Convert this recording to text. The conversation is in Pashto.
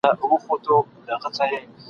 او څه کم دوه زره کورونه پکښی تباه سول !.